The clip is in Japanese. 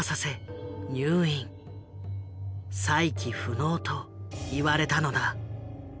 再起不能と言われたのだ。